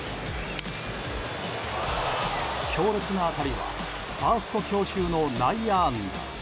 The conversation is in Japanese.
強烈な当たりはファースト強襲の内野安打。